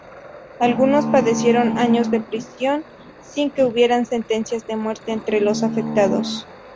Algunos padecieron años de prisión, sin que hubiera sentencias de muerte entre los afectados.